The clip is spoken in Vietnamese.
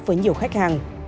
với nhiều khách hàng